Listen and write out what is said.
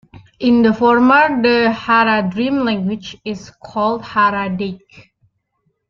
In the former, the Haradrim language is called "Haradaic".